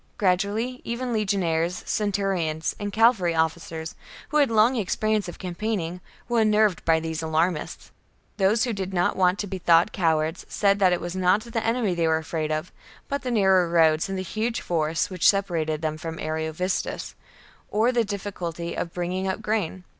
Gradually even legionaries, centurions, and cavalry officers, who had long experience of campaigning, were unnerved by these alarmists. Those who did not want to be thought cowards said that it was not the enemy they were afraid of, but the narrow roads and the huge forests which separated them from Ariovistus, or the difficulty of bringing up grain.